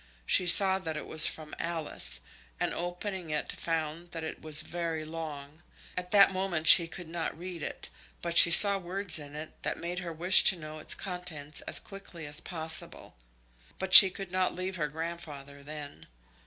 She saw that it was from Alice, and opening it found that it was very long. At that moment she could not read it, but she saw words in it that made her wish to know its contents as quickly as possible. But she could not leave her grandfather then.